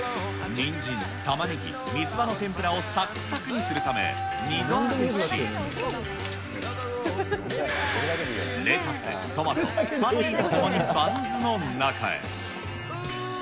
にんじん、たまねぎ、三つ葉の天ぷらをさっくさくにするため、二度揚げし、レタス、トマト、パティとともにバンズの中へ。